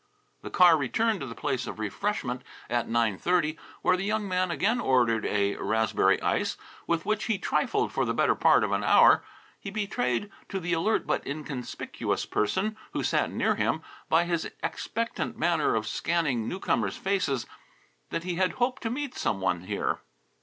The car returned to the place of refreshment at nine thirty, where the young man again ordered a raspberry ice, with which he trifled for the better part of an hour. He betrayed to the alert but inconspicuous person who sat near him, by his expectant manner of scanning newcomers' faces, that he had hoped to meet some one here.